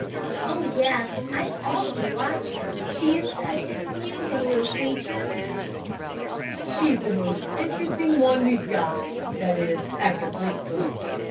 "Oh, yes; I often watched her. She is such an amusing little creature." "She's the most interesting one we've got, that is, after Fleetfoot.